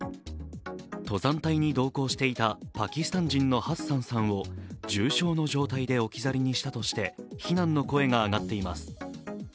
登山隊に同行していたパキスタン人のハッサンさんを重症の状態で置き去りにしたとして非難の声が上がっています。